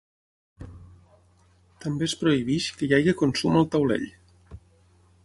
També es prohibeix que hi hagi consum al taulell.